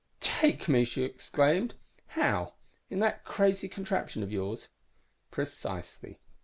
"_ "Take me!" she exclaimed. "How? In that crazy contraption of yours?" _"Precisely."